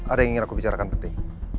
ada yang ingin aku bicarakan penting